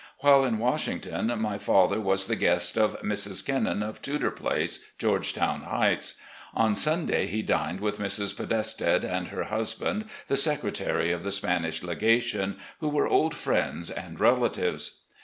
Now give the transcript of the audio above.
While in Washington my father was the guest of Mrs. Kennon, of Tudor Place, Georgetown Heights. On Sunday he dined with Mrs. Podestad and her husband, the Secretary of the Spanish Legation, who were old friends and relatives.